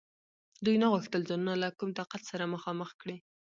دوی نه غوښتل ځانونه له کوم طاقت سره مخامخ کړي.